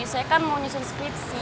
saya kan mau nyusun skripsi